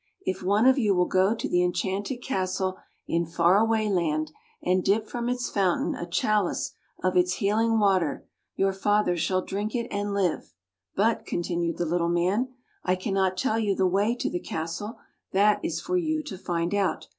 If one of you will go to the enchanted castle in Far Away Land, and dip from its fountain a chalice of its healing water, your father shall drink it and live. But,'' continued the Little Man, I cannot tell you the way to the castle; that is for you to find out.